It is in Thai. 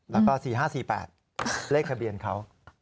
แล้วก็๔๕๔๘เลขทะเบียนเขา